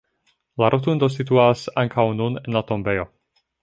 La rotondo situas ankaŭ nun en la tombejo.